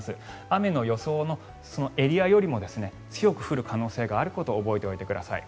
雨の予想のエリアよりも強く降る可能性があることを覚えておいてください。